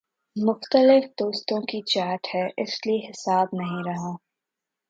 مختلف دوستوں کی چیٹ ہے اس لیے حساب نہیں رہا